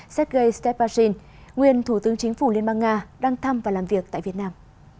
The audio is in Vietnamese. sergei steprazil nguyên thủ tướng chính phủ liên bang nga đang thăm và làm việc tại việt nam